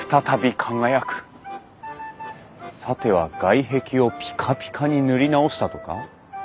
さては外壁をピカピカに塗り直したとか？